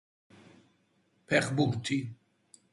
ფეხბურთი.